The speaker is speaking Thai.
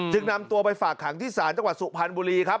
นำตัวไปฝากขังที่ศาลจังหวัดสุพรรณบุรีครับ